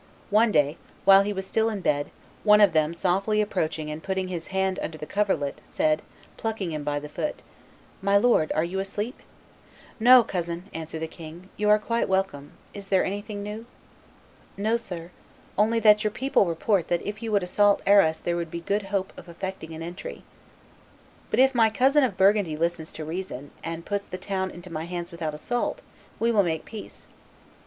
One day, when he was still in bed, one of them softly approaching and putting his hand under the coverlet, said, plucking him by the foot, "My lord, are you asleep?" "No, cousin," answered the king; "you are quite welcome; is there anything new?" "No, sir; only that your people report that if you would assault Arras there would be good hope of effecting an entry." "But if my cousin of Burgundy listens to reason, and puts the town into my hands without assault, we will make peace."